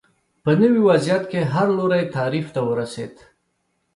په نوي وضعیت کې هر لوری تعریف ته ورسېد